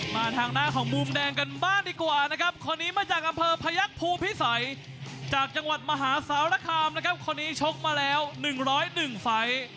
มาทางหน้าของมุมแดงกันบ้างดีกว่านะครับคนนี้มาจากอำเภอพยักษ์ภูมิพิสัยจากจังหวัดมหาสารคามนะครับคนนี้ชกมาแล้ว๑๐๑ไฟล์